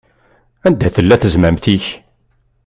Anda tella tezmamt-ik?